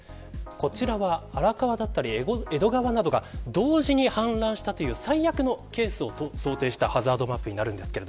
こちらは、荒川や江戸川などが同時に氾濫したという最悪のケースを想定したハザードマップです。